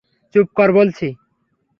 চুপ কর বলছি।